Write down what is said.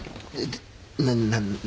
何？